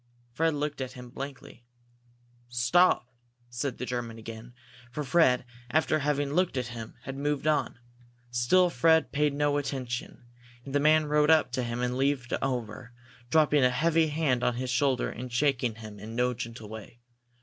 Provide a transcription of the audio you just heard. Fred looked at him blankly. "Stop!" said the German again, for Fred, after having looked at him, had moved on. Still Fred paid no attention, and the man rode up to him and leaned over, dropping a heavy hand on his shoulder and shaking him in no gentle way.